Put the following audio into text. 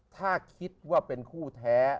ถ้าคิดว่าเป็นคู่แท้